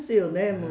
もう。